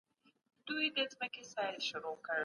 آيا سياست د ټولنيزو ځواکونو ترمنځ همغږي راولي؟